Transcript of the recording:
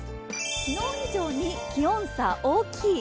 昨日以上に気温差、大きい。